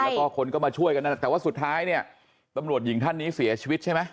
แล้วก็คนก็มาช่วยกันนั่นแหละแต่ว่าสุดท้ายเนี่ยตำรวจหญิงท่านนี้เสียชีวิตใช่ไหม